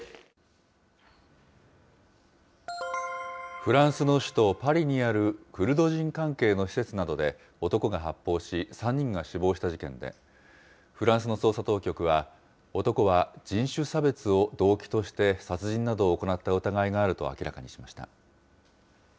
フランスの首都パリにあるクルド人関係の施設などで男が発砲し、３人が死亡した事件で、フランスの捜査当局は、男は人種差別を動機として殺人などを行った疑いがあると明らかにしました。